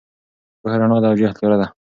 پوهه رڼا ده او جهل تیاره ده.